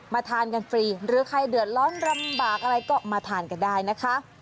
ทานกันฟรีหรือใครเดือดร้อนรำบากอะไรก็มาทานกันได้นะคะ